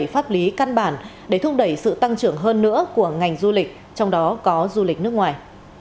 pháp lý căn bản để thúc đẩy sự tăng trưởng hơn nữa của ngành du lịch trong đó có du lịch nước ngoài